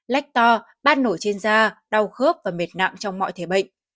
lách to ban nổi trên da đau khớp và mệt nặng trong mọi thể bệnh